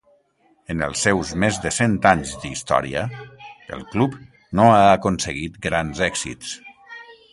En els seus més de cent anys d'història, el club no ha aconseguit grans èxits.